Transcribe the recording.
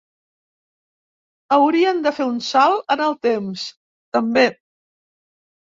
Haurien de fer un salt en el temps, també.